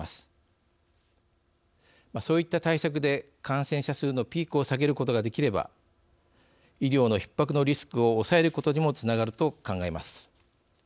そういった対策で感染者数のピークを下げることができれば医療のひっ迫のリスクを抑えることにもつながると考えます。